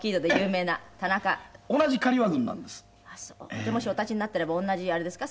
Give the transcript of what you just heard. じゃあもしお立ちになってれば同じあれですか？